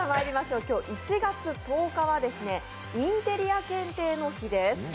今日、１月１０日はインテリア検定の日です。